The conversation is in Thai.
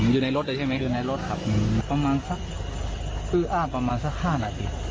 อยู่ในรถเลยใช่ไหมอยู่ในรถครับประมาณสักคืออ้างประมาณสัก๕นาที